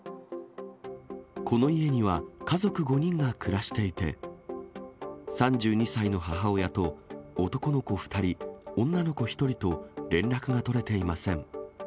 この家には、家族５人が暮らしていて、３２歳の母親と男の子２人、女の子１人と連絡が取れていません。